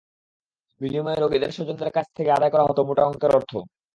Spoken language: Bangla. বিনিময়ে রোগীদের স্বজনদের কাছ থেকে আদায় করা হতো মোটা অঙ্কের অর্থ।